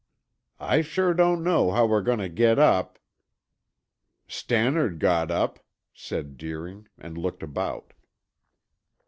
"I sure don't know how we're going to get up." "Stannard got up," said Deering and looked about.